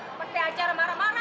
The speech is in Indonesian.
seperti acara marah marah